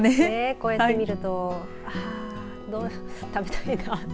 こうやって見ると食べたいななんて。